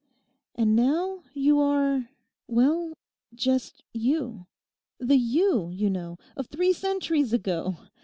And now, you are—well, just you: the you, you know, of three centuries ago!